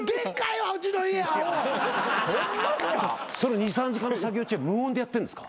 ２３時間の作業中無音でやってるんですか？